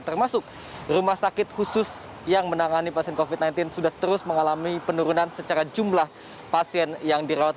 termasuk rumah sakit khusus yang menangani pasien covid sembilan belas sudah terus mengalami penurunan secara jumlah pasien yang dirawat